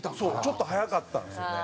ちょっと早かったんですよね。